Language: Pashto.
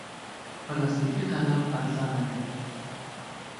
پلاستیکي قلم ارزانه دی.